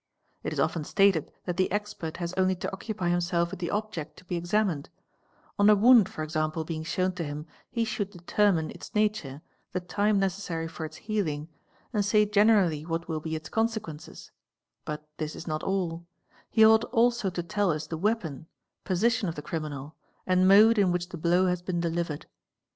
It is often stated that the expert has only to occupy himself with the object to be examined : on a wound for example being shown to him, he should determine its nature, the time necessary for its healing, and say generally what will be its consequences ;—but this is not all; he ought also to tell us the weapon, position of the criminal, and mode in which the blow has been delivered.